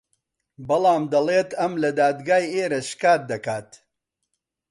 بەڵام دەڵێت ئەم لە دادگای ئێرە شکات دەکات